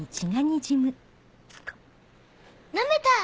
なめた！